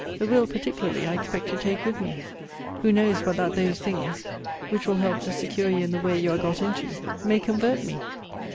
The will, particularly, I expect to take with me. Who knows but that those things, which will help to secure you in the way you are got into, may convert me?